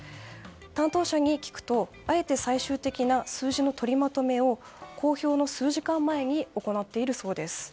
担当者に聞くと、あえて最終的な数字の取りまとめを公表の数時間前に行っているそうです。